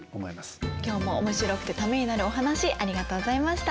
今日もおもしろくてためになるお話ありがとうございました。